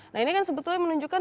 nah ini kan sebetulnya menunjukkan